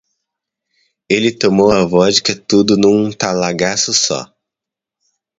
Ele tomou a vodka tudo num talagaço só